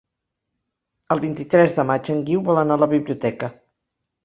El vint-i-tres de maig en Guiu vol anar a la biblioteca.